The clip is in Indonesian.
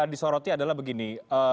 disoroti adalah begini